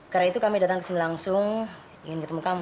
karena itu kami datang kesini langsung ingin ketemu kamu